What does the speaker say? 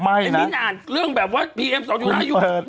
ไอ้มิ้นอ่านเรื่องแบบว่าคุณเปิด